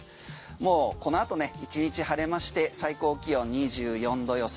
もうこのあとね１日晴れまして最高気温２４度予想。